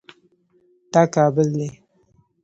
دا کابل دی